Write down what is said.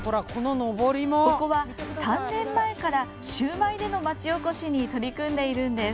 ここは３年前からシューマイでの町おこしに取り組んでいるんです。